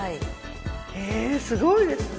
えすごいですね。